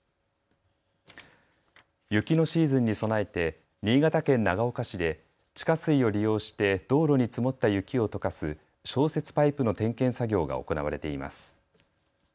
雪のシーズンに備えて新潟県長岡市で地下水を利用して道路に積もった雪をとかす消雪パイプの点検作業が行われています。